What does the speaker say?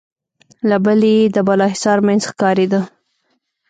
له بلې يې د بالاحصار مينځ ښکارېده.